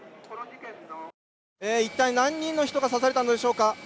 一体、何人の人が刺されたのでしょうか？